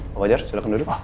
pak fajar silahkan duduk